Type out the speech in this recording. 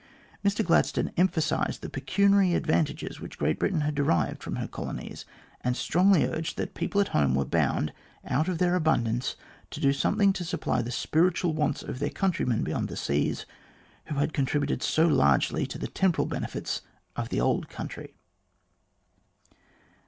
Mr Gladstone emphasised the pecuniary advantages which Great Britain had derived from her colonies, and 1 strongly urged that people at home were bound, out of ; their abundance, to do something to supply the spiritual wants of their countrymen beyond the seas, who had con tributed so largely to the temporal benefits of the old country.